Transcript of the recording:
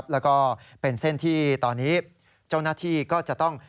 แล้วก็เป็นเส้นที่ตอนนี้เจ้าหน้าที่ก็จะต้อง